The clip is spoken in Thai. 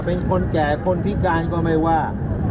เป็นคนแก่คนพิการก็ไม่ว่า